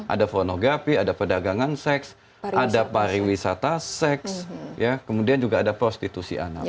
ada pornografi ada perdagangan seks ada pariwisata seks kemudian juga ada prostitusi anak